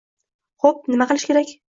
Xo‘p, nima qilish kerak?